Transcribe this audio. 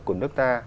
của nước ta